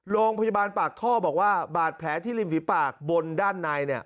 โรงพยาบาลปากท่อบอกว่าบาดแผลที่ริมฝีปากบนด้านใน